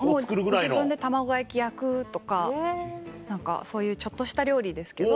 自分で卵焼き焼くとか何かそういうちょっとした料理ですけど。